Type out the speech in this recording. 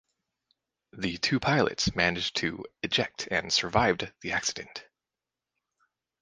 The two pilots managed to eject and survived the accident.